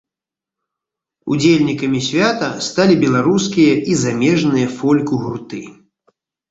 Удзельнікамі свята сталі беларускія і замежныя фольк-гурты.